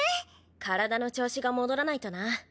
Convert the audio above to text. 体の調子が戻らないとな。